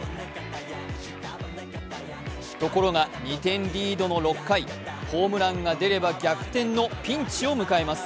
ところが２点リードの６回、ホームランが出れば逆転のピンチを迎えます。